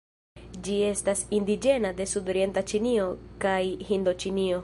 Ĝi estas indiĝena de sudorienta Ĉinio kaj Hindoĉinio.